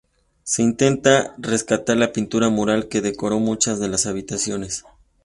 Se intenta rescatar la pintura mural que decora muchas de las habitaciones.